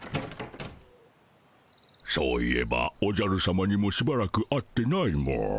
そういえばおじゃるさまにもしばらく会ってないモ。